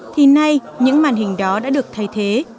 thì nay những màn hình đó đã được thay thế